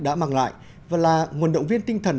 đã mang lại và là nguồn động viên tinh thần